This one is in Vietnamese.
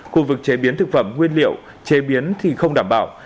khu vực chế biến thực phẩm nguyên liệu chế biến thì không đảm bảo